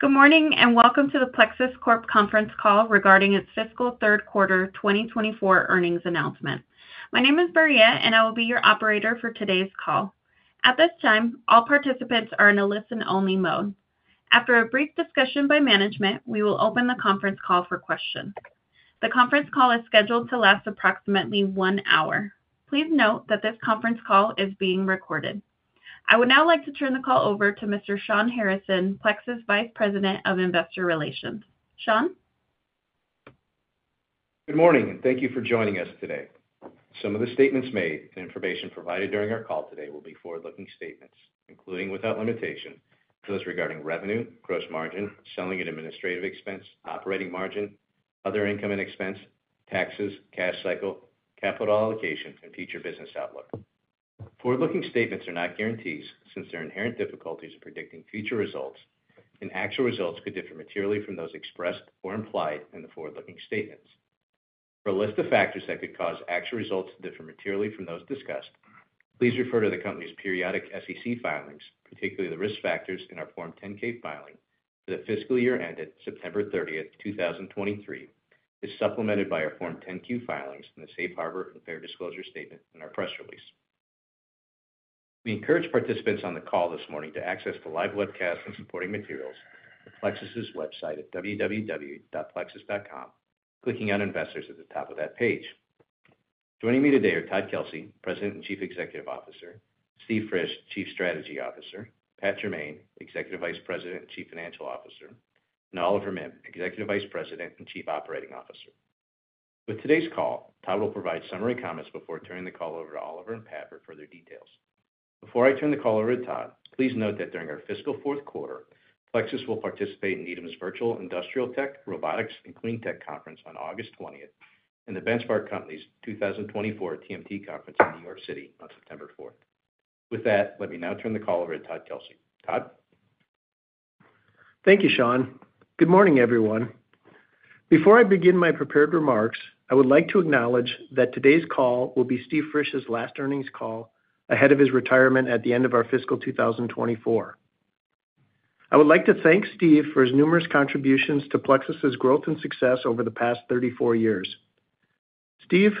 Good morning, and welcome to the Plexus Corp. conference call regarding its fiscal third quarter 2024 earnings announcement. My name is Maria, and I will be your operator for today's call. At this time, all participants are in a listen-only mode. After a brief discussion by management, we will open the conference call for questions. The conference call is scheduled to last approximately one hour. Please note that this conference call is being recorded. I would now like to turn the call over to Mr. Shawn Harrison, Plexus Vice President of Investor Relations. Shawn? Good morning and thank you for joining us today. Some of the statements made and information provided during our call today will be forward-looking statements, including without limitation, those regarding revenue, gross margin, selling and administrative expense, operating margin, other income and expense, taxes, cash cycle, capital allocation, and future business outlook. Forward-looking statements are not guarantees since there are inherent difficulties in predicting future results, and actual results could differ materially from those expressed or implied in the forward-looking statements. For a list of factors that could cause actual results to differ materially from those discussed, please refer to the company's periodic SEC filings, particularly the risk factors in our Form 10-K filing for the fiscal year ended September 30th, 2023, as supplemented by our Form 10-Q filings, and the Safe Harbor and Fair Disclosure statement in our press release. We encourage participants on the call this morning to access the live webcast and supporting materials on Plexus's website at www.plexus.com, clicking on Investors at the top of that page. Joining me today are Todd Kelsey, President and Chief Executive Officer, Steve Frisch, Chief Strategy Officer, Pat Jermain, Executive Vice President and Chief Financial Officer, and Oliver Mihm, Executive Vice President and Chief Operating Officer. With today's call, Todd will provide summary comments before turning the call over to Oliver and Pat for further details. Before I turn the call over to Todd, please note that during our fiscal fourth quarter, Plexus will participate in Needham's Virtual Industrial Tech, Robotics, and Clean Tech Conference on August 20th, and the Benchmark Company's 2024 TMT Conference in New York City on September 4th. With that, let me now turn the call over to Todd Kelsey. Todd? Thank you, Shawn. Good morning, everyone. Before I begin my prepared remarks, I would like to acknowledge that today's call will be Steve Frisch's last earnings call ahead of his retirement at the end of our fiscal 2024. I would like to thank Steve for his numerous contributions to Plexus's growth and success over the past 34 years. Steve,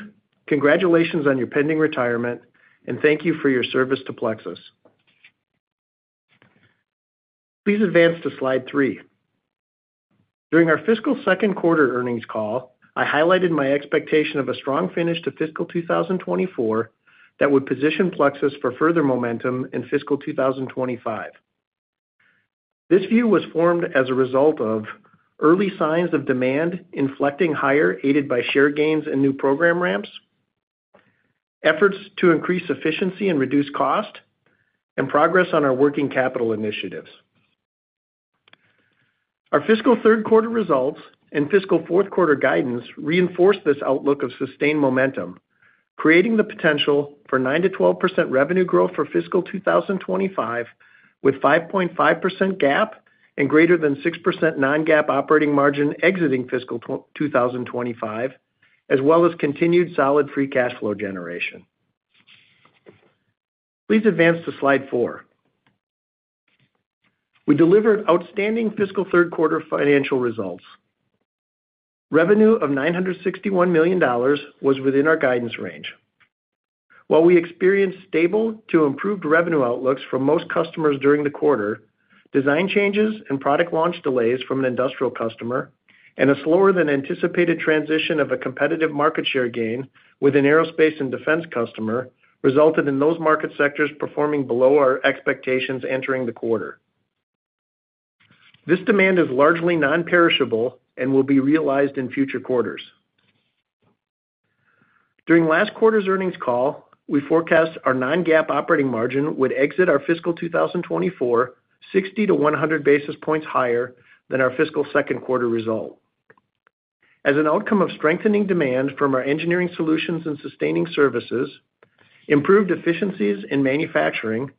congratulations on your pending retirement, and thank you for your service to Plexus. Please advance to slide three. During our fiscal second quarter earnings call, I highlighted my expectation of a strong finish to fiscal 2024, that would position Plexus for further momentum in fiscal 2025. This view was formed as a result of early signs of demand inflecting higher, aided by share gains and new program ramps, efforts to increase efficiency and reduce cost, and progress on our working capital initiatives. Our fiscal third quarter results and fiscal fourth quarter guidance reinforce this outlook of sustained momentum, creating the potential for 9%-12% revenue growth for fiscal 2025, with 5.5% GAAP and >6% non-GAAP operating margin exiting fiscal 2025, as well as continued solid free cash flow generation. Please advance to slide four. We delivered outstanding fiscal third quarter financial results. Revenue of $961 million was within our guidance range. While we experienced stable to improved revenue outlooks from most customers during the quarter, design changes and product launch delays from an industrial customer and a slower than anticipated transition of a competitive market share gain with an aerospace and defense customer, resulted in those market sectors performing below our expectations entering the quarter. This demand is largely non-perishable and will be realized in future quarters. During last quarter's earnings call, we forecast our non-GAAP operating margin would exit our fiscal 2024, 60-100 basis points higher than our fiscal second quarter result. As an outcome of strengthening demand from our engineering solutions and sustaining services, improved efficiencies in manufacturing,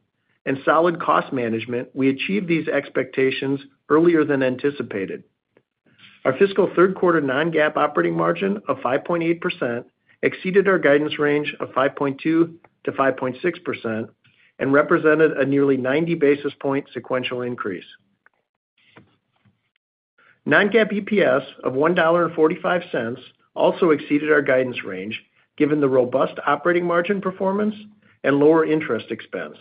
and solid cost management, we achieved these expectations earlier than anticipated. Our fiscal third quarter non-GAAP operating margin of 5.8% exceeded our guidance range of 5.2%-5.6% and represented a nearly 90 basis point sequential increase. Non-GAAP EPS of $1.45 also exceeded our guidance range, given the robust operating margin performance and lower interest expense,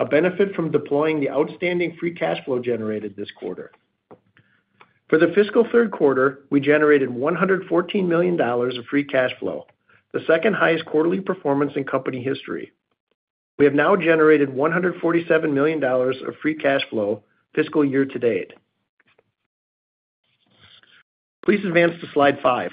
a benefit from deploying the outstanding free cash flow generated this quarter. For the fiscal third quarter, we generated $114 million of free cash flow, the second highest quarterly performance in company history. We have now generated $147 million of free cash flow fiscal year to date. Please advance to slide five.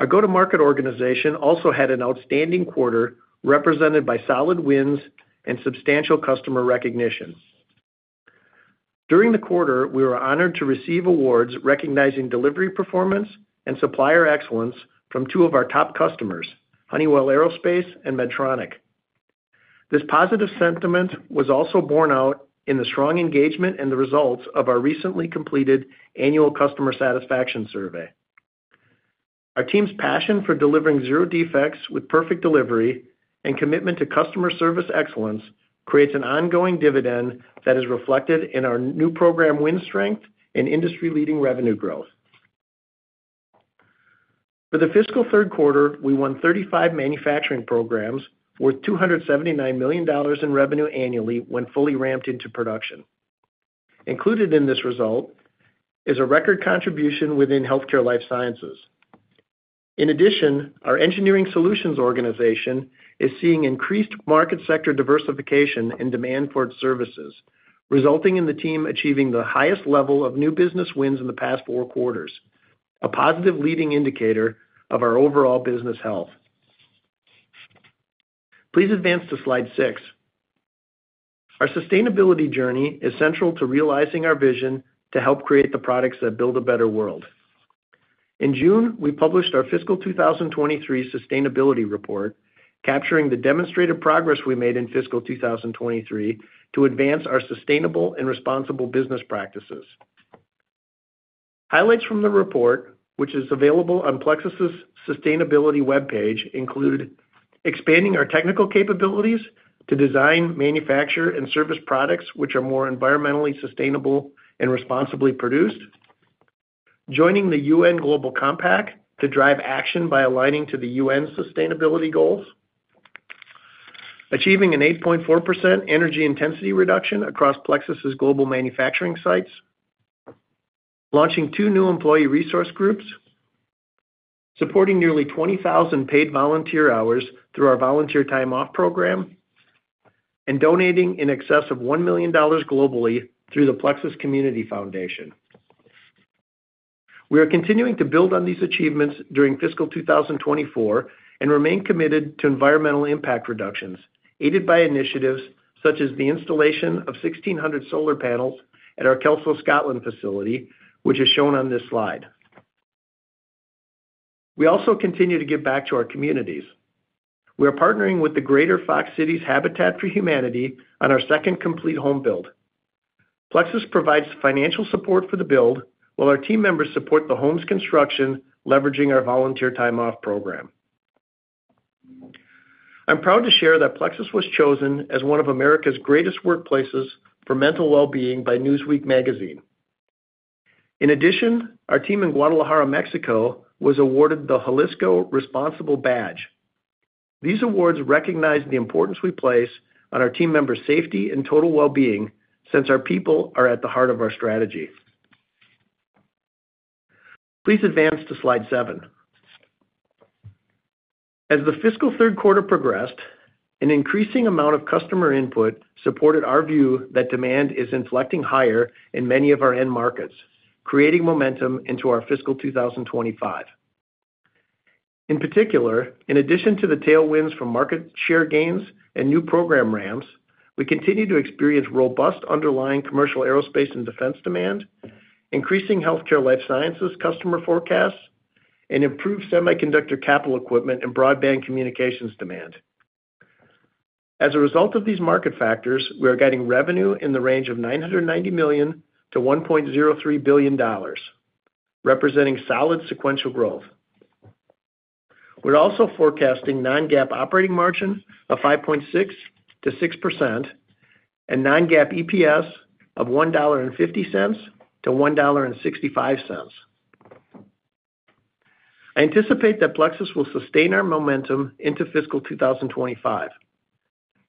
Our go-to-market organization also had an outstanding quarter, represented by solid wins and substantial customer recognition. During the quarter, we were honored to receive awards recognizing delivery, performance, and supplier excellence from two of our top customers, Honeywell Aerospace and Medtronic. This positive sentiment was also borne out in the strong engagement and the results of our recently completed annual customer satisfaction survey. Our team's passion for delivering zero defects with perfect delivery and commitment to customer service excellence creates an ongoing dividend that is reflected in our new program win strength and industry-leading revenue growth. For the fiscal third quarter, we won 35 manufacturing programs worth $279 million in revenue annually when fully ramped into production. Included in this result is a record contribution within healthcare life sciences. In addition, our engineering solutions organization is seeing increased market sector diversification and demand for its services, resulting in the team achieving the highest level of new business wins in the past four quarters, a positive leading indicator of our overall business health. Please advance to slide 6. Our sustainability journey is central to realizing our vision to help create the products that build a better world. In June, we published our fiscal 2023 sustainability report, capturing the demonstrated progress we made in fiscal 2023 to advance our sustainable and responsible business practices. Highlights from the report, which is available on Plexus's sustainability webpage, include expanding our technical capabilities to design, manufacture, and service products which are more environmentally sustainable and responsibly produced, joining the UN Global Compact to drive action by aligning to the UN's sustainability goals, achieving an 8.4% energy intensity reduction across Plexus's global manufacturing sites, launching two new employee resource groups, supporting nearly 20,000 paid volunteer hours through our volunteer time off program, and donating in excess of $1 million globally through the Plexus Community Foundation. We are continuing to build on these achievements during fiscal 2024 and remain committed to environmental impact reductions, aided by initiatives such as the installation of 1,600 solar panels at our Kelso, Scotland facility, which is shown on this slide. We also continue to give back to our communities. We are partnering with the Greater Fox Cities Habitat for Humanity on our second complete home build. Plexus provides financial support for the build, while our team members support the home's construction, leveraging our volunteer time off program. I'm proud to share that Plexus was chosen as one of America's greatest workplaces for mental well-being by Newsweek magazine. In addition, our team in Guadalajara, Mexico, was awarded the Jalisco Responsible Badge. These awards recognize the importance we place on our team members' safety and total well-being, since our people are at the heart of our strategy. Please advance to slide seven. As the fiscal third quarter progressed, an increasing amount of customer input supported our view that demand is inflecting higher in many of our end markets, creating momentum into our fiscal 2025. In particular, in addition to the tailwinds from market share gains and new program ramps, we continue to experience robust underlying commercial aerospace and defense demand, increasing healthcare life sciences customer forecasts, and improved semiconductor capital equipment and Broadband Communications demand. As a result of these market factors, we are guiding revenue in the range of $990 million-$1.03 billion, representing solid sequential growth. We're also forecasting non-GAAP operating margin of 5.6%-6%, and non-GAAP EPS of $1.50-$1.65. I anticipate that Plexus will sustain our momentum into fiscal 2025.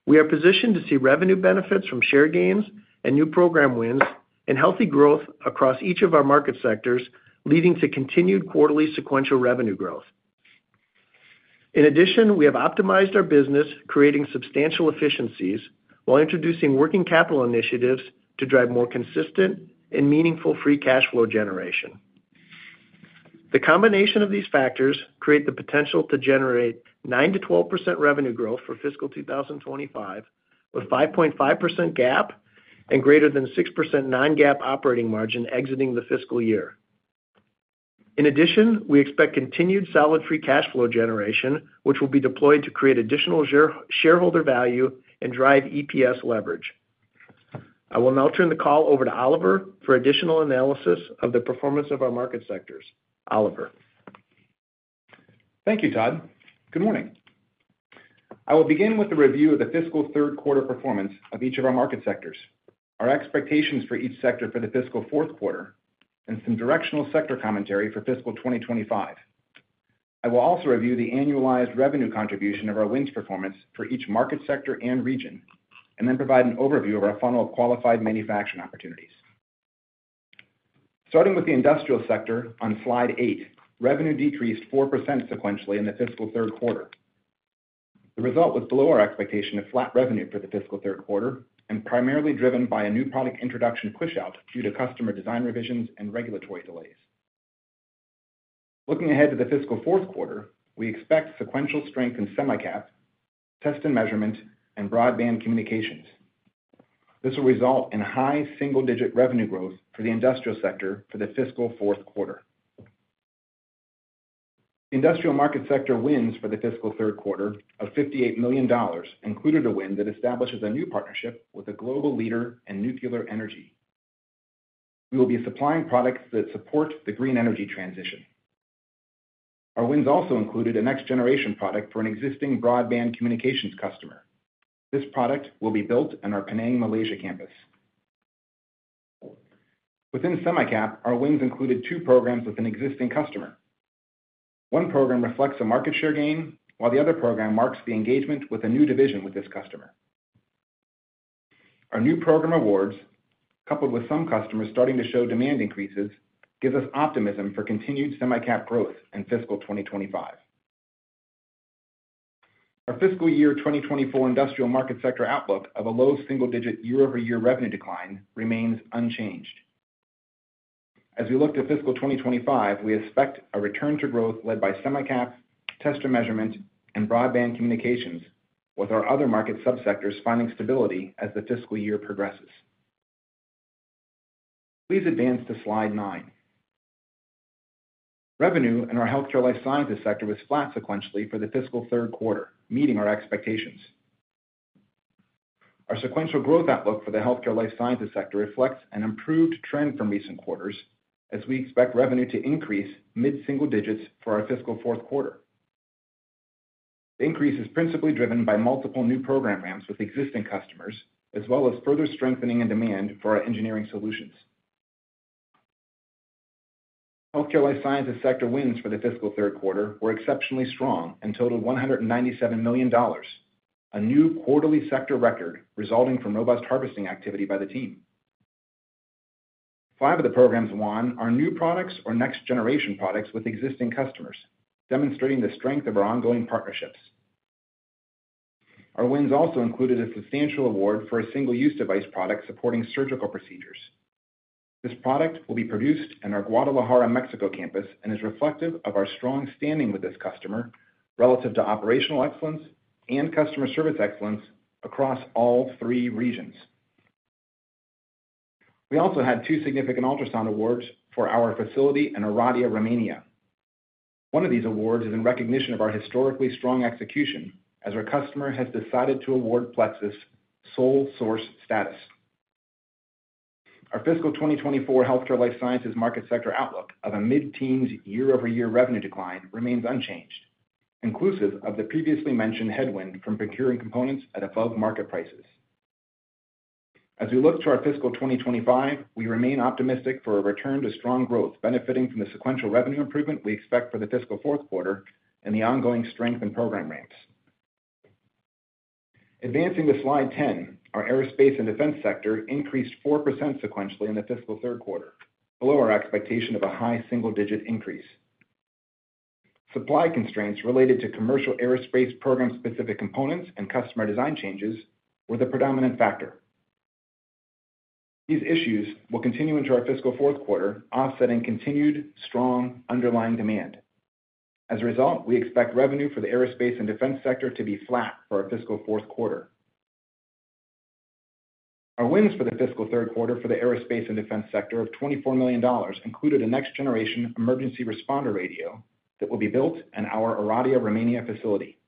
We are positioned to see revenue benefits from share gains and new program wins and healthy growth across each of our market sectors, leading to continued quarterly sequential revenue growth. In addition, we have optimized our business, creating substantial efficiencies, while introducing working capital initiatives to drive more consistent and meaningful free cash flow generation. The combination of these factors create the potential to generate 9%-12% revenue growth for fiscal 2025, with 5.5% GAAP and greater than 6% non-GAAP operating margin exiting the fiscal year. In addition, we expect continued solid free cash flow generation, which will be deployed to create additional share-shareholder value and drive EPS leverage. I will now turn the call over to Oliver for additional analysis of the performance of our market sectors. Oliver? Thank you, Todd. Good morning. I will begin with a review of the fiscal third quarter performance of each of our market sectors, our expectations for each sector for the fiscal fourth quarter, and some directional sector commentary for fiscal 2025. I will also review the annualized revenue contribution of our wins performance for each market sector and region, and then provide an overview of our funnel of qualified manufacturing opportunities. Starting with the industrial sector on Slide 8, revenue decreased 4% sequentially in the fiscal third quarter. The result was below our expectation of flat revenue for the fiscal third quarter and primarily driven by a new product introduction pushout due to customer design revisions and regulatory delays. Looking ahead to the fiscal fourth quarter, we expect sequential strength in SemiCap, Test and Measurement, and Broadband Communications. This will result in high single-digit revenue growth for the industrial sector for the fiscal fourth quarter. Industrial market sector wins for the fiscal third quarter of $58 million included a win that establishes a new partnership with a global leader in nuclear energy. We will be supplying products that support the green energy transition. Our wins also included a next-generation product for an existing Broadband Communications customer. This product will be built in our Penang, Malaysia campus. Within SemiCap, our wins included two programs with an existing customer. One program reflects a market share gain, while the other program marks the engagement with a new division with this customer. Our new program awards, coupled with some customers starting to show demand increases, gives us optimism for continued SemiCap growth in fiscal 2025. Our fiscal year 2024 industrial market sector outlook of a low single-digit year-over-year revenue decline remains unchanged. As we look to fiscal 2025, we expect a return to growth led by SemiCap, Test and Measurement, and Broadband Communications, with our other market subsectors finding stability as the fiscal year progresses. Please advance to slide nine. Revenue in our healthcare life sciences sector was flat sequentially for the fiscal third quarter, meeting our expectations. Our sequential growth outlook for the healthcare life sciences sector reflects an improved trend from recent quarters, as we expect revenue to increase mid-single digits for our fiscal fourth quarter. The increase is principally driven by multiple new program ramps with existing customers, as well as further strengthening in demand for our engineering solutions. Healthcare life sciences sector wins for the fiscal third quarter were exceptionally strong and totaled $197 million, a new quarterly sector record resulting from robust harvesting activity by the team. Five of the programs won are new products or next-generation products with existing customers, demonstrating the strength of our ongoing partnerships. Our wins also included a substantial award for a single-use device product supporting surgical procedures. This product will be produced in our Guadalajara, Mexico, campus and is reflective of our strong standing with this customer relative to operational excellence and customer service excellence across all three regions. We also had two significant ultrasound awards for our facility in Oradea, Romania. One of these awards is in recognition of our historically strong execution, as our customer has decided to award Plexus sole source status. Our fiscal 2024 healthcare life sciences market sector outlook of a mid-teens year-over-year revenue decline remains unchanged, inclusive of the previously mentioned headwind from procuring components at above-market prices. As we look to our fiscal 2025, we remain optimistic for a return to strong growth, benefiting from the sequential revenue improvement we expect for the fiscal fourth quarter and the ongoing strength in program ramps. Advancing to slide 10, our aerospace and defense sector increased 4% sequentially in the fiscal third quarter, below our expectation of a high single-digit increase. Supply constraints related to commercial aerospace program-specific components and customer design changes were the predominant factor. These issues will continue into our fiscal fourth quarter, offsetting continued strong underlying demand. As a result, we expect revenue for the aerospace and defense sector to be flat for our fiscal fourth quarter. Our wins for the fiscal third quarter for the aerospace and defense sector of $24 million included a next-generation emergency responder radio that will be built in our Oradea, Romania, facility.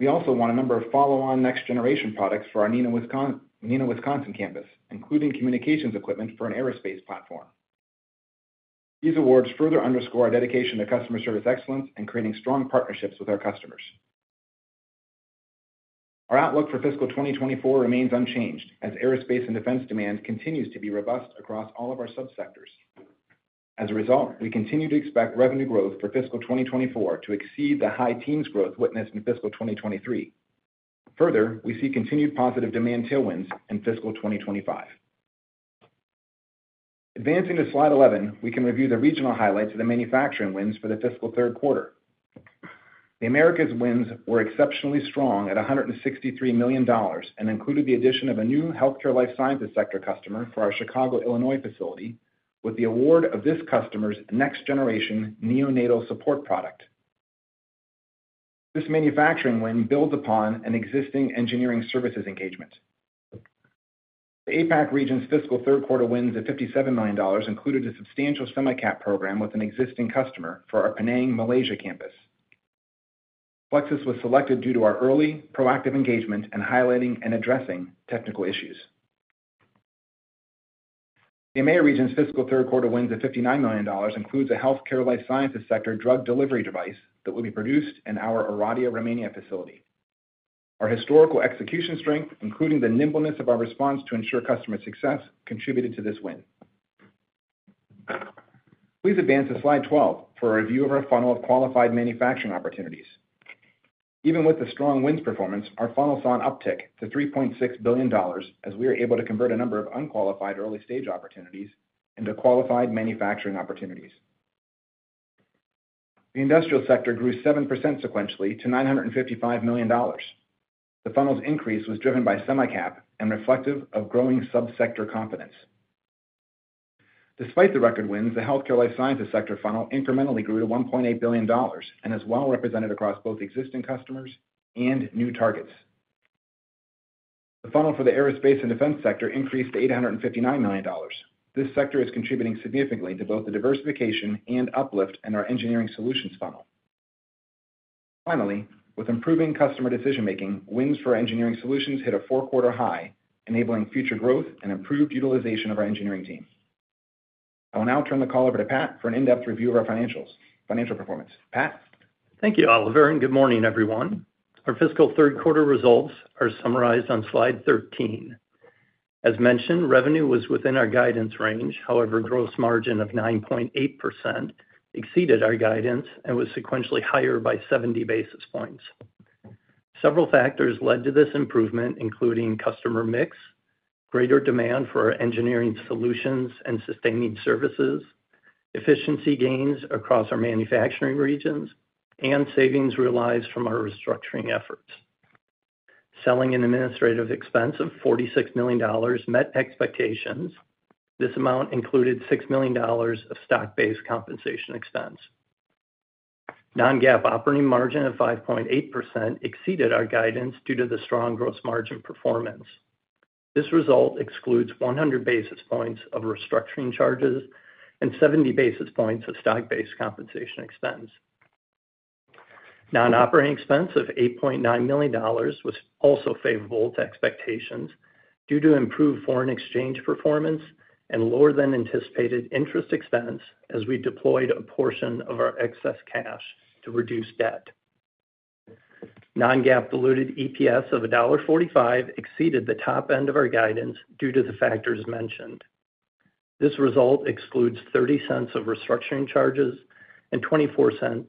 We also won a number of follow-on next-generation products for our Neenah, Wisconsin, campus, including communications equipment for an aerospace platform. These awards further underscore our dedication to customer service excellence and creating strong partnerships with our customers. Our outlook for fiscal 2024 remains unchanged, as aerospace and defense demand continues to be robust across all of our subsectors. As a result, we continue to expect revenue growth for fiscal 2024 to exceed the high teens growth witnessed in fiscal 2023. Further, we see continued positive demand tailwinds in fiscal 2025. Advancing to slide 11, we can review the regional highlights of the manufacturing wins for the fiscal third quarter. The Americas wins were exceptionally strong at $163 million and included the addition of a new healthcare life sciences sector customer for our Chicago, Illinois, facility, with the award of this customer's next-generation neonatal support product. This manufacturing win builds upon an existing engineering services engagement. The APAC region's fiscal third quarter wins of $57 million included a substantial SemiCap program with an existing customer for our Penang, Malaysia, campus. Plexus was selected due to our early, proactive engagement in highlighting and addressing technical issues. The EMEA region's fiscal third quarter wins of $59 million includes a healthcare life sciences sector drug delivery device that will be produced in our Oradea, Romania, facility. Our historical execution strength, including the nimbleness of our response to ensure customer success, contributed to this win. Please advance to slide 12 for a review of our funnel of qualified manufacturing opportunities. Even with the strong wins performance, our funnel saw an uptick to $3.6 billion, as we were able to convert a number of unqualified early-stage opportunities into qualified manufacturing opportunities. The industrial sector grew 7% sequentially to $955 million. The funnel's increase was driven by SemiCap and reflective of growing subsector confidence. Despite the record wins, the healthcare life sciences sector funnel incrementally grew to $1.8 billion and is well represented across both existing customers and new targets. The funnel for the aerospace and defense sector increased to $859 million. This sector is contributing significantly to both the diversification and uplift in our engineering solutions funnel. Finally, with improving customer decision-making, wins for engineering solutions hit a four-quarter high, enabling future growth and improved utilization of our engineering team. I will now turn the call over to Pat for an in-depth review of our financials, financial performance. Pat? Thank you, Oliver, and good morning, everyone. Our fiscal third quarter results are summarized on slide 13. As mentioned, revenue was within our guidance range. However, gross margin of 9.8% exceeded our guidance and was sequentially higher by 70 basis points. Several factors led to this improvement, including customer mix, greater demand for our engineering solutions and sustaining services, efficiency gains across our manufacturing regions, and savings realized from our restructuring efforts. Selling and administrative expense of $46 million met expectations. This amount included $6 million of stock-based compensation expense. Non-GAAP operating margin of 5.8% exceeded our guidance due to the strong gross margin performance. This result excludes 100 basis points of restructuring charges and 70 basis points of stock-based compensation expense. Non-operating expense of $8.9 million was also favorable to expectations due to improved foreign exchange performance and lower than anticipated interest expense as we deployed a portion of our excess cash to reduce debt. Non-GAAP diluted EPS of $1.45 exceeded the top end of our guidance due to the factors mentioned. This result excludes $0.30 of restructuring charges and $0.24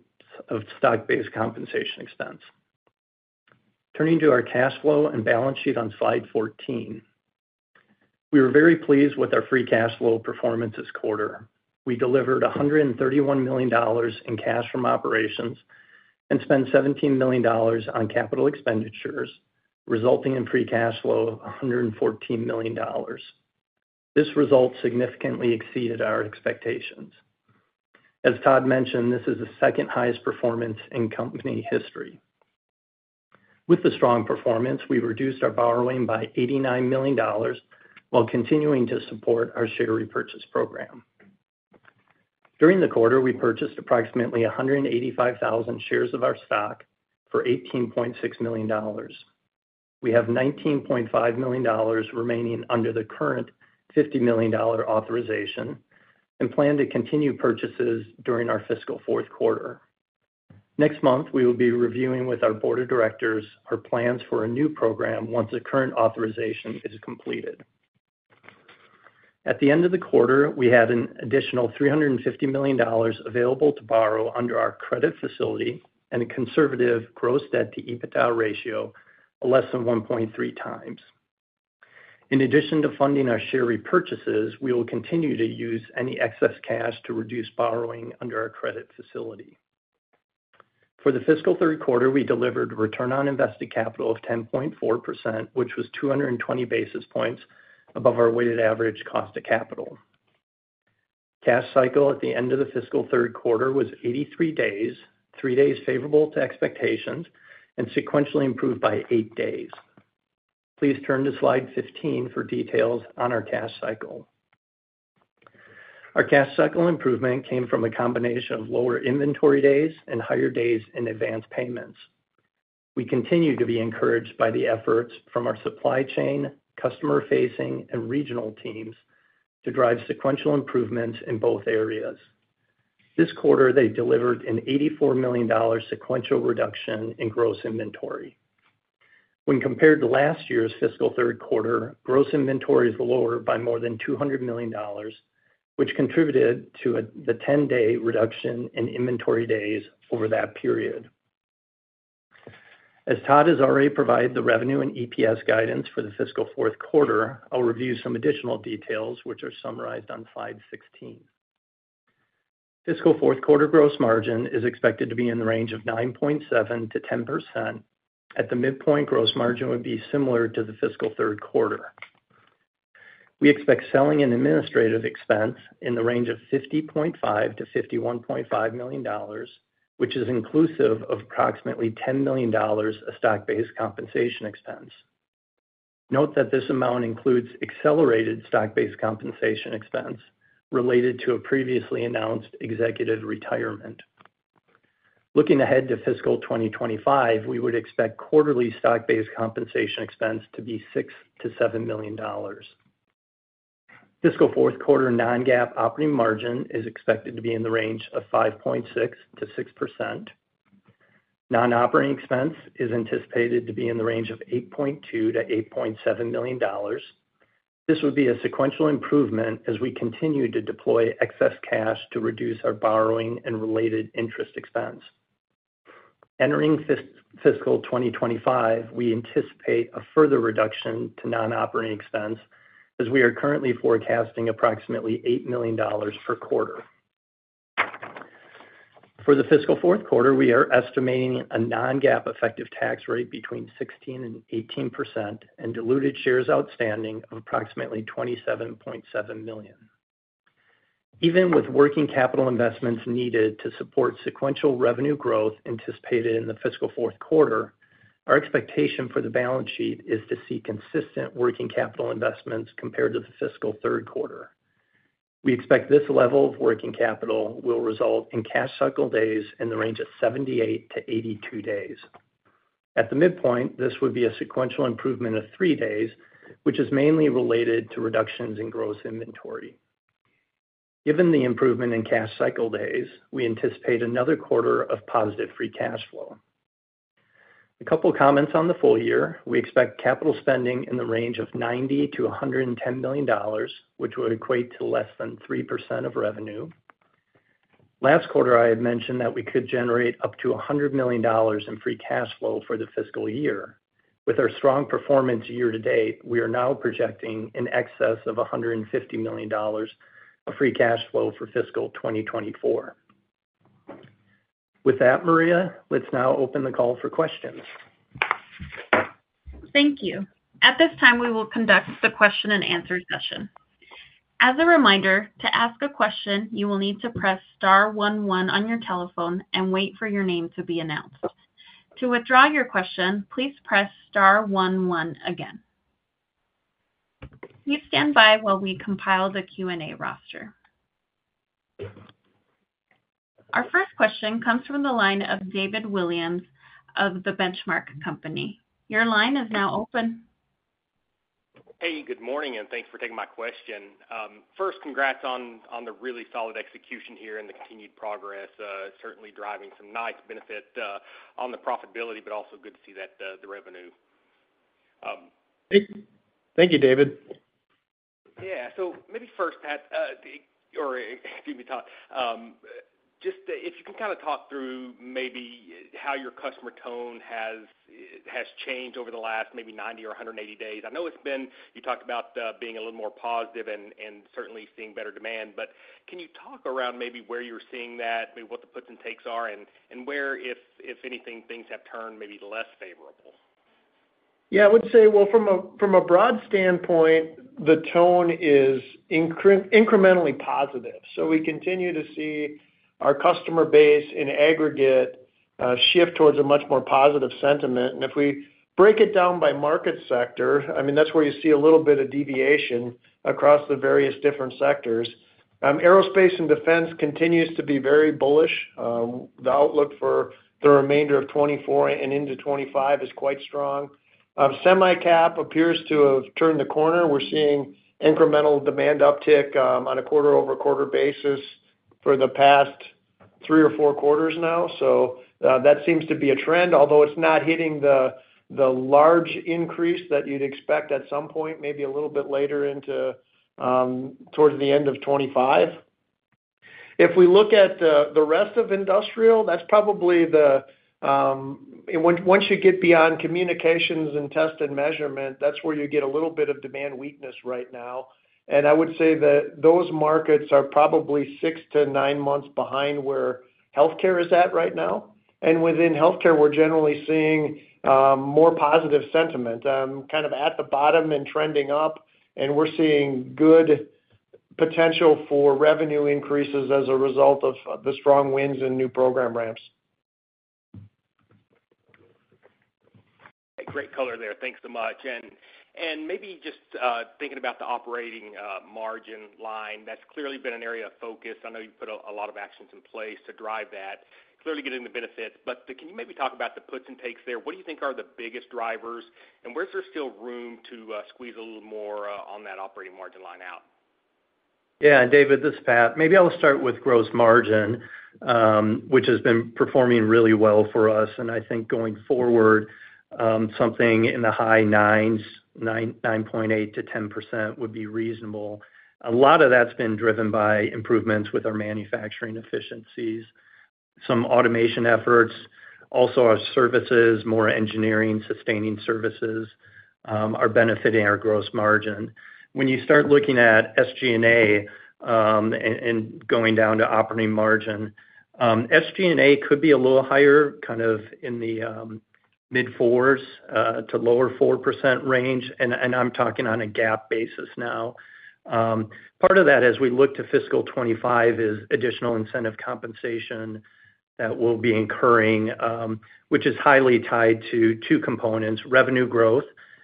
of stock-based compensation expense. Turning to our cash flow and balance sheet on slide 14. We were very pleased with our free cash flow performance this quarter. We delivered $131 million in cash from operations and spent $17 million on capital expenditures, resulting in free cash flow of $114 million. This result significantly exceeded our expectations. As Todd mentioned, this is the second-highest performance in company history. With the strong performance, we reduced our borrowing by $89 million while continuing to support our share repurchase program. During the quarter, we purchased approximately 185,000 shares of our stock for $18.6 million. We have $19.5 million remaining under the current $50 million authorization and plan to continue purchases during our fiscal fourth quarter. Next month, we will be reviewing with our board of directors our plans for a new program once the current authorization is completed. At the end of the quarter, we had an additional $350 million available to borrow under our credit facility and a conservative Gross Debt to EBITDA ratio of less than 1.3 times. In addition to funding our share repurchases, we will continue to use any excess cash to reduce borrowing under our credit facility. For the fiscal third quarter, we delivered Return on Invested Capital of 10.4%, which was 220 basis points above our weighted average cost of capital. Cash Cycle at the end of the fiscal third quarter was 83 days, 3 days favorable to expectations and sequentially improved by 8 days. Please turn to slide 15 for details on our Cash Cycle. Our Cash Cycle improvement came from a combination of lower inventory days and higher days in advance payments. We continue to be encouraged by the efforts from our supply chain, customer-facing, and regional teams to drive sequential improvements in both areas. This quarter, they delivered an $84 million sequential reduction in gross inventory. When compared to last year's fiscal third quarter, gross inventory is lower by more than $200 million, which contributed to the 10-day reduction in inventory days over that period. As Todd has already provided the revenue and EPS guidance for the fiscal fourth quarter, I'll review some additional details, which are summarized on slide 16. Fiscal fourth quarter gross margin is expected to be in the range of 9.7%-10%. At the midpoint, gross margin would be similar to the fiscal third quarter. We expect selling and administrative expense in the range of $50.5 million-$51.5 million, which is inclusive of approximately $10 million of stock-based compensation expense. Note that this amount includes accelerated stock-based compensation expense related to a previously announced executive retirement. Looking ahead to fiscal 2025, we would expect quarterly stock-based compensation expense to be $6 million-$7 million. Fiscal fourth quarter non-GAAP operating margin is expected to be in the range of 5.6%-6%. Non-operating expense is anticipated to be in the range of $8.2 million-$8.7 million. This would be a sequential improvement as we continue to deploy excess cash to reduce our borrowing and related interest expense. Entering fiscal 2025, we anticipate a further reduction to non-operating expense, as we are currently forecasting approximately $8 million per quarter. For the fiscal fourth quarter, we are estimating a non-GAAP effective tax rate between 16%-18% and diluted shares outstanding of approximately 27.7 million. Even with working capital investments needed to support sequential revenue growth anticipated in the fiscal fourth quarter, our expectation for the balance sheet is to see consistent working capital investments compared to the fiscal third quarter. We expect this level of working capital will result in cash cycle days in the range of 78 days-82 days. At the midpoint, this would be a sequential improvement of 3 days, which is mainly related to reductions in gross inventory. Given the improvement in cash cycle days, we anticipate another quarter of positive Free Cash Flow. A couple of comments on the full year. We expect capital spending in the range of $90 million-$110 million, which would equate to less than 3% of revenue. Last quarter, I had mentioned that we could generate up to $100 million in free cash flow for the fiscal year. With our strong performance year to date, we are now projecting in excess of $150 million of free cash flow for fiscal 2024. With that, Maria, let's now open the call for questions. Thank you. At this time, we will conduct the question and answer session. As a reminder, to ask a question, you will need to press star one one on your telephone and wait for your name to be announced. To withdraw your question, please press star one one again. Please stand by while we compile the Q&A roster. Our first question comes from the line of David Williams of the Benchmark Company. Your line is now open. Hey, good morning, and thanks for taking my question. First, congrats on the really solid execution here and the continued progress, certainly driving some nice benefit on the profitability, but also good to see that the revenue. Thank you, David. Yeah. So maybe first, Pat, or excuse me, Todd, just if you can kind of talk through maybe how your customer tone has changed over the last maybe 90 days or 180 days. I know it's been, you talked about being a little more positive and certainly seeing better demand, but can you talk around maybe where you're seeing that, maybe what the puts and takes are, and where, if anything, things have turned maybe less favorable? Yeah, I would say, well, from a broad standpoint, the tone is incrementally positive. So we continue to see our customer base in aggregate shift towards a much more positive sentiment. And if we break it down by market sector, I mean, that's where you see a little bit of deviation across the various different sectors. Aerospace and defense continues to be very bullish. The outlook for the remainder of 2024 and into 2025 is quite strong. SemiCap appears to have turned the corner. We're seeing incremental demand uptick on a quarter-over-quarter basis for the past three or four quarters now. So that seems to be a trend, although it's not hitting the large increase that you'd expect at some point, maybe a little bit later into towards the end of 2025. If we look at the rest of industrial, that's probably once you get beyond communications and Test and Measurement, that's where you get a little bit of demand weakness right now. And I would say that those markets are probably 6 months-9 months behind where healthcare is at right now. And within healthcare, we're generally seeing more positive sentiment kind of at the bottom and trending up, and we're seeing good potential for revenue increases as a result of the strong wins and new program ramps. Great color there. Thanks so much. And maybe just thinking about the operating margin line, that's clearly been an area of focus. I know you've put a lot of actions in place to drive that, clearly getting the benefits, but can you maybe talk about the puts and takes there? What do you think are the biggest drivers, and where is there still room to squeeze a little more on that operating margin line out? Yeah, David, this is Pat. Maybe I'll start with gross margin, which has been performing really well for us, and I think going forward, something in the high 9s, 9%, 9.8%-10% would be reasonable. A lot of that's been driven by improvements with our manufacturing efficiencies, some automation efforts. Also, our services, more engineering, sustaining services, are benefiting our gross margin. When you start looking at SG&A, and, and going down to operating margin, SG&A could be a little higher, kind of in the, mid-4s to low 4% range, and, and I'm talking on a GAAP basis now. Part of that, as we look to fiscal 2025, is additional incentive compensation that we'll be incurring, which is highly tied to two components, revenue growth,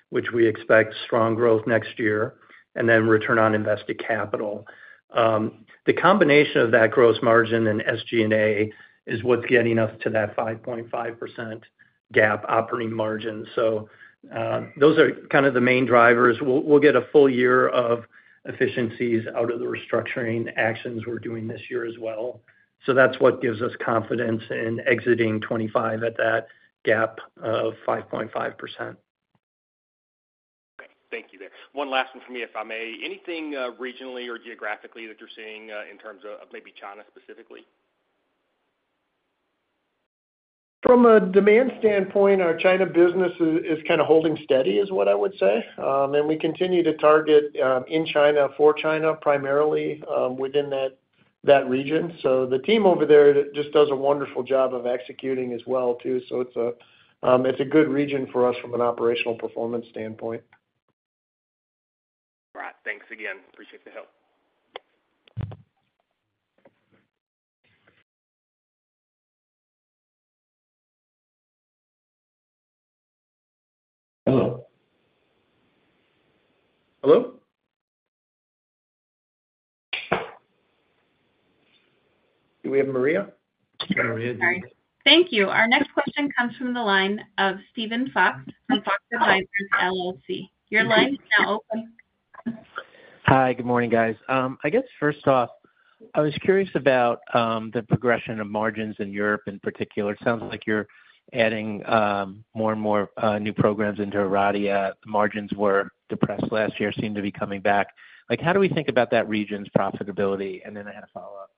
which we expect strong growth next year, and then return on invested capital. The combination of that gross margin and SG&A is what's getting us to that 5.5% GAAP operating margin. So, those are kind of the main drivers. We'll get a full year of efficiencies out of the restructuring actions we're doing this year as well. So that's what gives us confidence in exiting 2025 at that GAAP of 5.5%. Thank you there. One last one for me, if I may. Anything, regionally or geographically that you're seeing, in terms of maybe China specifically? From a demand standpoint, our China business is kind of holding steady, is what I would say. And we continue to target in China, for China, primarily within that region. So the team over there just does a wonderful job of executing as well, too. So it's a good region for us from an operational performance standpoint. All right. Thanks again. Appreciate the help. Hello? Do we have Maria? Sorry. Thank you. Our next question comes from the line of Steven Fox from Fox Advisors LLC. Your line is now open. Hi, good morning, guys. I guess first off, I was curious about the progression of margins in Europe in particular. It sounds like you're adding more and more new programs into Oradea. Margins were depressed last year, seem to be coming back. Like, how do we think about that region's profitability? And then I have a follow-up.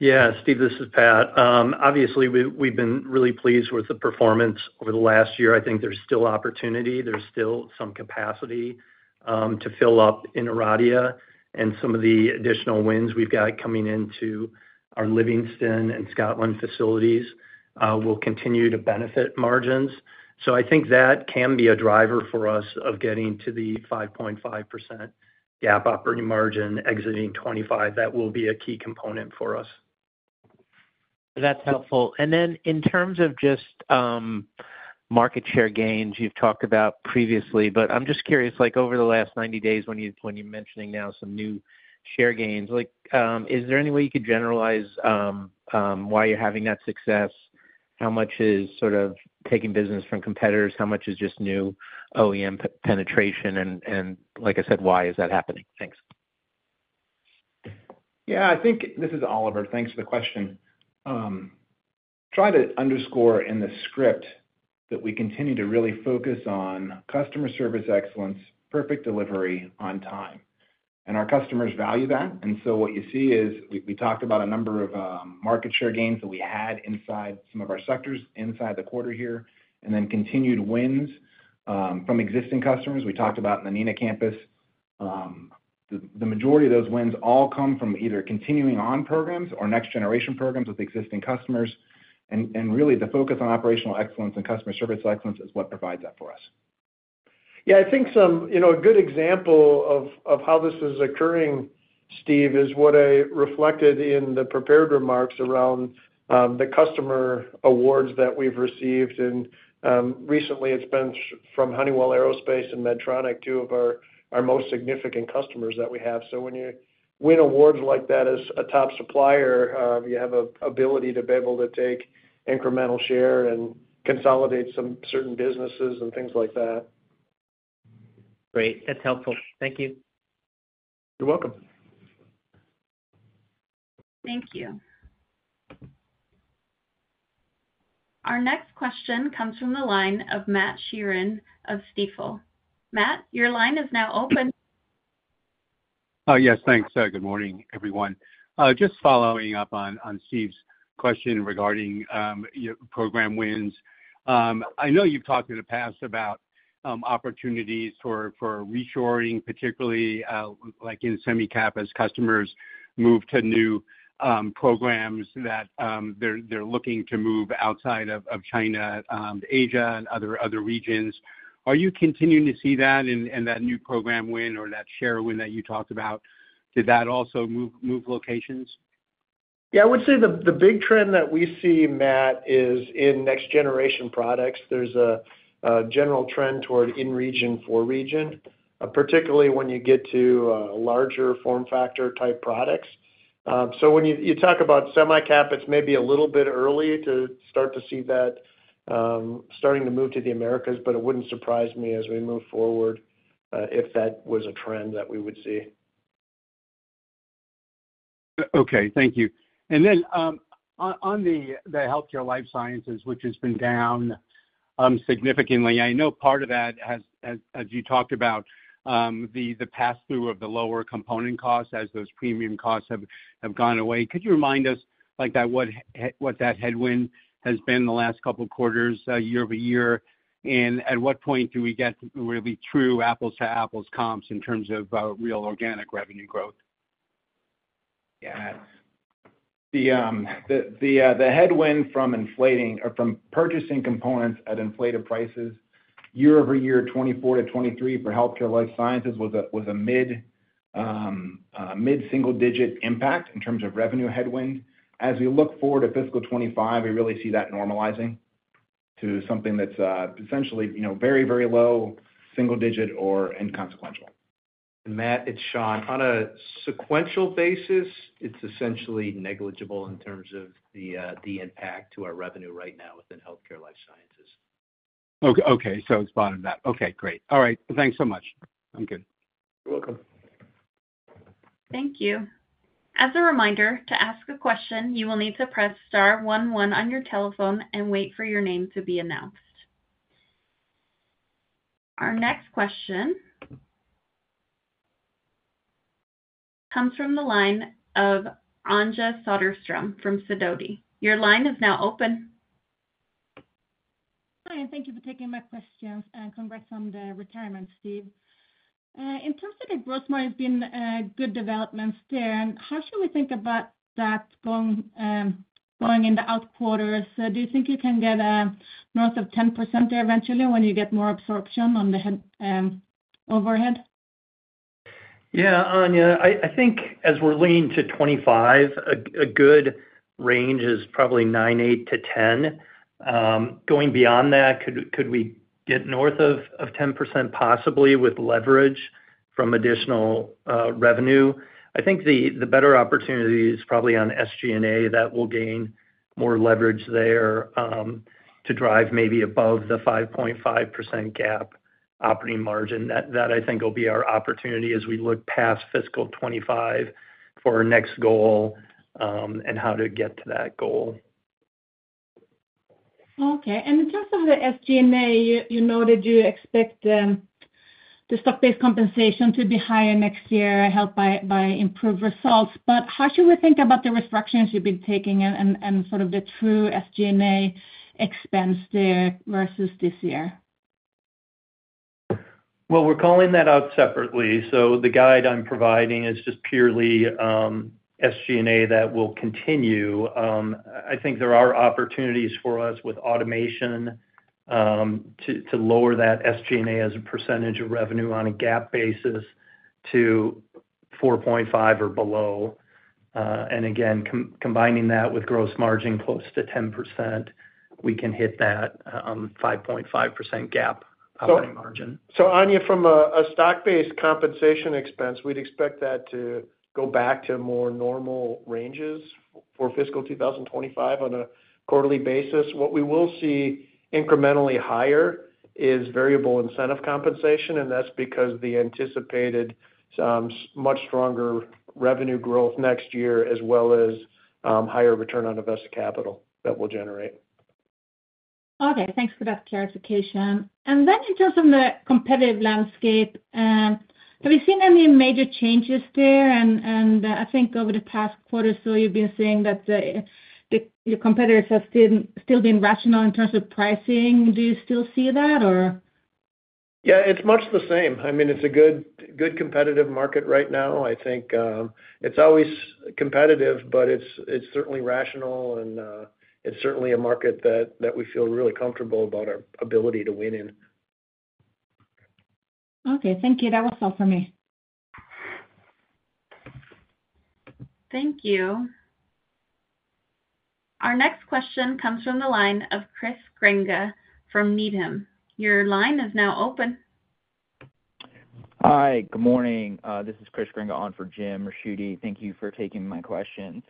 Yeah, Steve, this is Pat. Obviously, we, we've been really pleased with the performance over the last year. I think there's still opportunity. There's still some capacity to fill up in Oradea, and some of the additional wins we've got coming into our Livingston and Scotland facilities will continue to benefit margins. So I think that can be a driver for us of getting to the 5.5% GAAP operating margin exiting 2025. That will be a key component for us. That's helpful. And then in terms of just, market share gains, you've talked about previously, but I'm just curious, like over the last 90 days, when you, when you're mentioning now some new share gains, like, is there any way you could generalize, why you're having that success? How much is sort of taking business from competitors? How much is just new OEM penetration? And like I said, why is that happening? Thanks. Yeah, I think. This is Oliver. Thanks for the question. Try to underscore in the script that we continue to really focus on customer service excellence, perfect delivery on time, and our customers value that. And so what you see is, we talked about a number of market share gains that we had inside some of our sectors, inside the quarter here, and then continued wins from existing customers. We talked about the Neenah Campus. The majority of those wins all come from either continuing on programs or next generation programs with existing customers, and really the focus on operational excellence and customer service excellence is what provides that for us. Yeah, I think some, you know, a good example of how this is occurring, Steve, is what I reflected in the prepared remarks around the customer awards that we've received. And recently it's been from Honeywell Aerospace and Medtronic, two of our most significant customers that we have. So when you win awards like that as a top supplier, you have a ability to be able to take incremental share and consolidate some certain businesses and things like that. Great. That's helpful. Thank you. You're welcome. Thank you. Our next question comes from the line of Matt Sheerin of Stifel. Matt, your line is now open. Yes, thanks. Good morning, everyone. Just following up on Steve's question regarding your program wins. I know you've talked in the past about opportunities for reshoring, particularly like in SemiCap, as customers move to new programs that they're looking to move outside of China, Asia, and other regions. Are you continuing to see that and that new program win or that share win that you talked about? Did that also move locations? Yeah, I would say the big trend that we see, Matt, is in next generation products. There's a general trend toward in region, for region, particularly when you get to larger form factor type products. So when you talk about semi cap, it's maybe a little bit early to start to see that starting to move to the Americas, but it wouldn't surprise me as we move forward if that was a trend that we would see. Okay. Thank you. And then, on the healthcare life sciences, which has been down significantly, I know part of that as you talked about, the pass-through of the lower component costs as those premium costs have gone away. Could you remind us, like, what that headwind has been the last couple of quarters, year-over-year? And at what point do we get really true apples to apples comps in terms of real organic revenue growth? Yeah. The headwind from inflating or from purchasing components at inflated prices year over year, 2024 to 2023 for healthcare life sciences was a mid-single digit impact in terms of revenue headwind. As we look forward to fiscal 2025, we really see that normalizing to something that's essentially, you know, very, very low single digit or inconsequential. Matt, it's Shawn. On a sequential basis, it's essentially negligible in terms of the impact to our revenue right now within healthcare life sciences. Okay, so it's bottomed out. Okay, great. All right. Thanks so much. I'm good. You're welcome. Thank you. As a reminder, to ask a question, you will need to press star one one on your telephone and wait for your name to be announced. Our next question comes from the line of Anja Soderstrom from Sidoti. Your line is now open. Hi, and thank you for taking my questions, and congrats on the retirement, Steve. In terms of the gross margin, has been good developments there. How should we think about that going in the out quarters? Do you think you can get north of 10% there eventually when you get more absorption on the head overhead? Yeah, Anja, I think as we're leaning to 25, a good range is probably 9.8%-10%. Going beyond that, could we get north of 10%? Possibly, with leverage from additional revenue. I think the better opportunity is probably on SG&A, that will gain more leverage there, to drive maybe above the 5.5% GAAP operating margin. That I think will be our opportunity as we look past fiscal 2025 for our next goal, and how to get to that goal. Okay. And in terms of the SG&A, you noted you expect the stock-based compensation to be higher next year, helped by improved results. But how should we think about the restructurings you've been taking and sort of the true SG&A expense there versus this year? Well, we're calling that out separately, so the guide I'm providing is just purely SG&A that will continue. I think there are opportunities for us with automation to lower that SG&A as a percentage of revenue on a GAAP basis to 4.5% or below. And again, combining that with gross margin close to 10%, we can hit that 5.5% GAAP operating margin. So, Anja, from a stock-based compensation expense, we'd expect that to go back to more normal ranges for fiscal 2025 on a quarterly basis. What we will see incrementally higher is variable incentive compensation, and that's because the anticipated much stronger revenue growth next year, as well as higher Return on Invested Capital that we'll generate. Okay, thanks for that clarification. And then in terms of the competitive landscape, have you seen any major changes there? And, and I think over the past quarter or so, you've been saying that, your competitors have still, still been rational in terms of pricing. Do you still see that, or? Yeah, it's much the same. I mean, it's a good, good competitive market right now. I think it's always competitive, but it's certainly rational, and it's certainly a market that we feel really comfortable about our ability to win in. Okay, thank you. That was all for me. Thank you. Our next question comes from the line of Chris Grenga from Needham. Your line is now open. Hi, good morning. This is Chris Grenga on for Jim Ricchiuti. Thank you for taking my questions.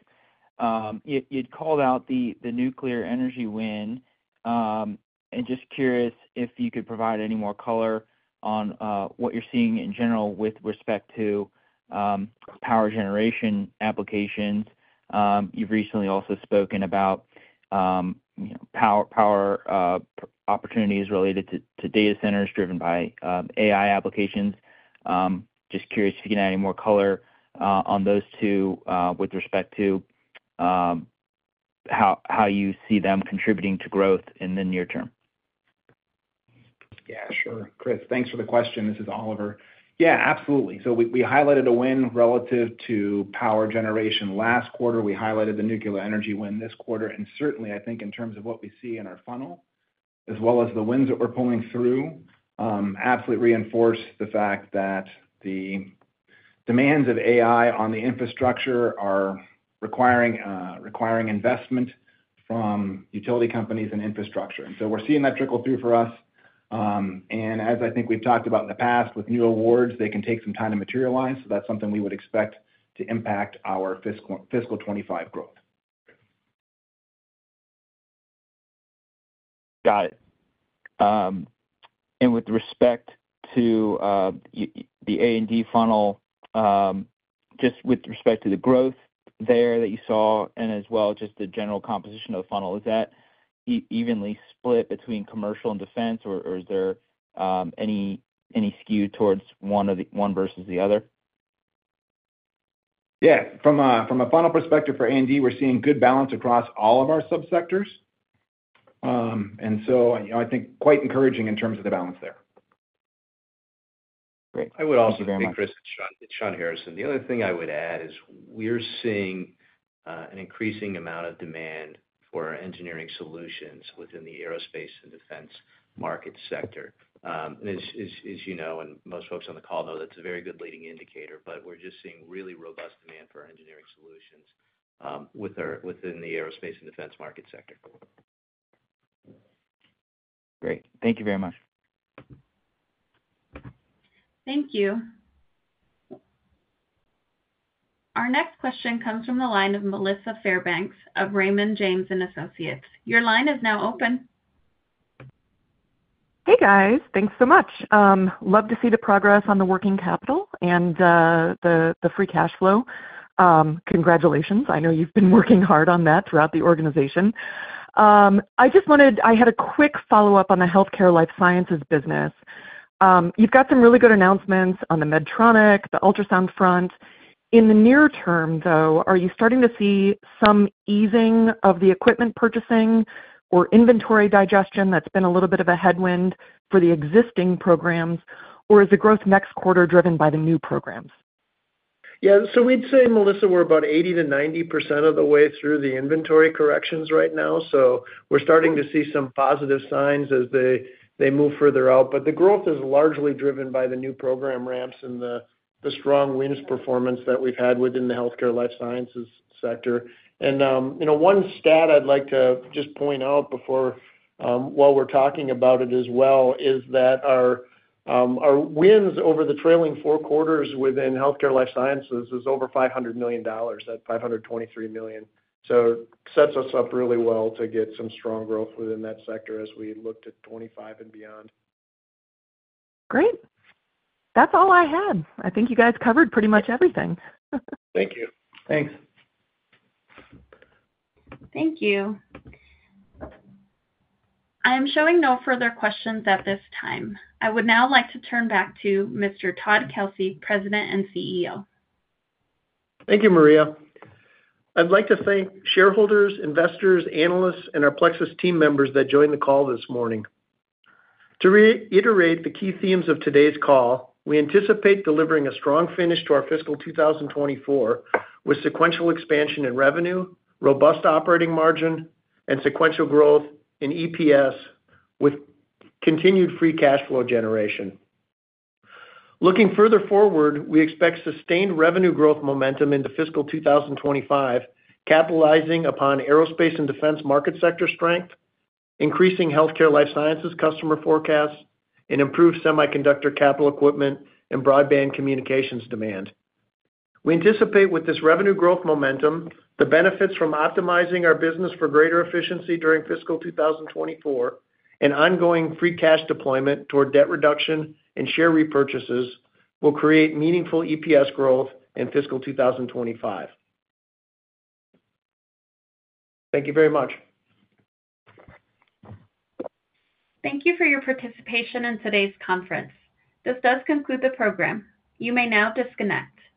You'd called out the nuclear energy win, and just curious if you could provide any more color on what you're seeing in general with respect to power generation applications. You've recently also spoken about, you know, power opportunities related to data centers driven by AI applications. Just curious if you can add any more color on those two with respect to how you see them contributing to growth in the near term. Yeah, sure. Chris, thanks for the question. This is Oliver. Yeah, absolutely. So, we highlighted a win relative to power generation last quarter. We highlighted the nuclear energy win this quarter, and certainly I think in terms of what we see in our funnel, as well as the wins that we're pulling through, absolutely reinforce the fact that the demands of AI on the infrastructure are requiring investment from utility companies and infrastructure. And so, we're seeing that trickle through for us, and as I think we've talked about in the past, with new awards, they can take some time to materialize, so that's something we would expect to impact our fiscal 25 growth. Got it. And with respect to the A&D funnel, just with respect to the growth there that you saw, and as well, just the general composition of the funnel, is that evenly split between commercial and defense, or is there any skew towards one or the other? Yeah. From a funnel perspective for A&D, we're seeing good balance across all of our subsectors. You know, I think quite encouraging in terms of the balance there. Great. Thank you very much. I would also think, Chris, it's Shawn, it's Shawn Harrison. The only thing I would add is we're seeing an increasing amount of demand for engineering solutions within the aerospace and defense market sector. And as you know, and most folks on the call know, that's a very good leading indicator, but we're just seeing really robust demand for our engineering solutions within the aerospace and defense market sector. Great. Thank you very much. Thank you. Our next question comes from the line of Melissa Fairbanks of Raymond James. Your line is now open. Hey, guys. Thanks so much. Love to see the progress on the working capital and the free cash flow. Congratulations, I know you've been working hard on that throughout the organization. I just wanted, I had a quick follow-up on the healthcare life sciences business. You've got some really good announcements on the Medtronic, the ultrasound front. In the near term, though, are you starting to see some easing of the equipment purchasing or inventory digestion that's been a little bit of a headwind for the existing programs, or is the growth next quarter driven by the new programs? Yeah, so we'd say, Melissa, we're about 80%-90% of the way through the inventory corrections right now, so we're starting to see some positive signs as they move further out. But the growth is largely driven by the new program ramps and the strong wins performance that we've had within the healthcare life sciences sector. And, you know, one stat I'd like to just point out before, while we're talking about it as well, is that our, our wins over the trailing four quarters within healthcare life sciences is over $500 million, that's $523 million. So it sets us up really well to get some strong growth within that sector as we look to 2025 and beyond. Great! That's all I had. I think you guys covered pretty much everything. Thank you. Thanks. Thank you. I am showing no further questions at this time. I would now like to turn back to Mr. Todd Kelsey, President and CEO. Thank you, Maria. I'd like to thank shareholders, investors, analysts, and our Plexus team members that joined the call this morning. To reiterate the key themes of today's call, we anticipate delivering a strong finish to our fiscal 2024, with sequential expansion in revenue, robust operating margin, and sequential growth in EPS, with continued free cash flow generation. Looking further forward, we expect sustained revenue growth momentum into fiscal 2025, capitalizing upon aerospace and defense market sector strength, increasing healthcare life sciences customer forecasts, and improved semiconductor capital equipment and Broadband Communications demand. We anticipate with this revenue growth momentum, the benefits from optimizing our business for greater efficiency during fiscal 2024, and ongoing free cash deployment toward debt reduction and share repurchases will create meaningful EPS growth in fiscal 2025. Thank you very much. Thank you for your participation in today's conference. This does conclude the program. You may now disconnect.